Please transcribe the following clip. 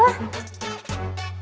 tuh tuh tuh dia tuh